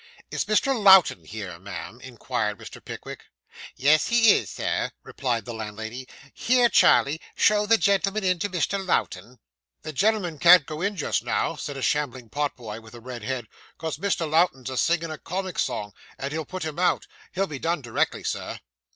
'Is Mr. Lowten here, ma'am?' inquired Mr. Pickwick. 'Yes, he is, Sir,' replied the landlady. 'Here, Charley, show the gentleman in to Mr. Lowten.' 'The gen'l'm'n can't go in just now,' said a shambling pot boy, with a red head, 'cos' Mr. Lowten's a singin' a comic song, and he'll put him out. He'll be done directly, Sir.